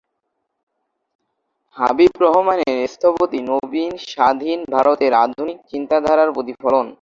হাবিব রহমানের স্থপতি নবীন স্বাধীন ভারতের আধুনিক চিন্তাধারার প্রতিফলন।